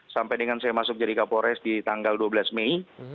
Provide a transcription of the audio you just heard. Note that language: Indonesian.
sampai dengan saya masuk jadi kapolres di tanggal dua belas mei